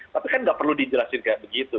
tapi kan nggak perlu dijelasin kayak begitu